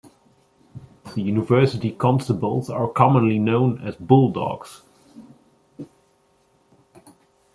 The university constables are commonly known as "bulldogs".